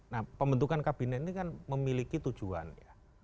nah pembentukan kabinet ini kan memiliki tujuan ya